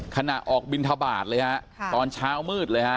ขณะออกบินทบาทเลยฮะตอนเช้ามืดเลยฮะ